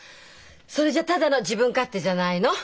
それじゃただの自分勝手じゃないの。